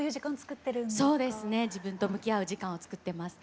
自分と向き合う時間をつくってます。